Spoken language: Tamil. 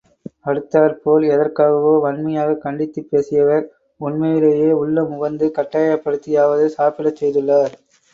அடுத்தாற்போல், எதற்காகவோ வன்மையாகக் கண்டித்துப் பேசியவர், உண்மையிலேயே உள்ளம் உவந்து கட்டாயப்படுத்தியாவது சாப்பிடச் செய்துள்ளார்.